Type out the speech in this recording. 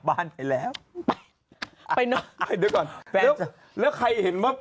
บ้านไปแล้วไปเนอะอ่าเดี๋ยวก่อนแล้วแล้วใครเห็นว่า